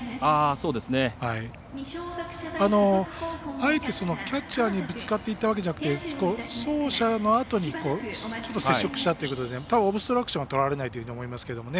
あえて、キャッチャーにぶつかっていったわけじゃなくて走者のあとにちょっと接触したということでたぶん、オブストラクションはとられないと思いますけどね。